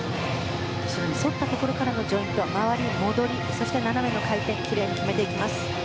後ろに沿ったところからの回り、戻りそして、斜めの回転をきれいに決めていきます。